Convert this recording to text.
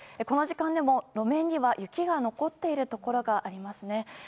この時間でも、路面には雪が残っているところがありますね。